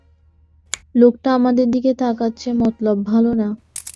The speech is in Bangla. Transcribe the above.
লোকটা আমাদের দিকে তাকাচ্ছে, মতলব ভালো না।